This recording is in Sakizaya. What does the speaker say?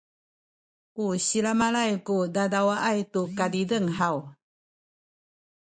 u silamalay ku dadawaay tu kazizeng haw?